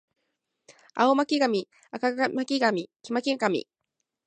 青巻紙赤巻紙黄巻紙